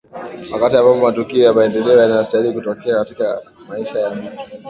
wakati ambapo matukio ya maendeleo yanastahili kutokea katika maisha ya mtu